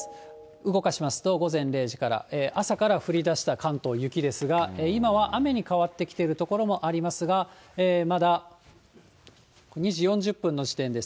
動かしますと、午前０時から、朝から降りだした関東、雪ですが、今は雨に変わってきている所もありますが、まだ２時４０分の時点です。